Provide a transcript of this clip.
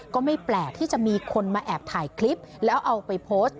ก็ไม่แปลกที่จะมีคนมาแอบถ่ายคลิปแล้วเอาไปโพสต์